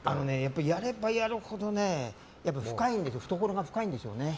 やればやるほど懐が深いんですよね。